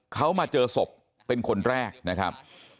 เขามาเจอศพเป็นคนแรกนะครับ